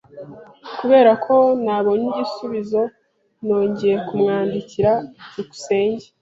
Kubera ko ntabonye igisubizo, nongeye kumwandikira. byukusenge